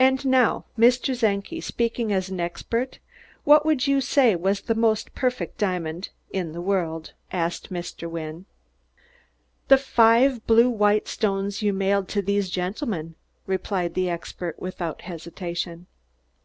"And now, Mr. Czenki, speaking as an expert, what would you say was the most perfect diamond the world?" asked Mr. Wynne. "The five blue white stones you mailed to these gentlemen," replied the expert without hesitation.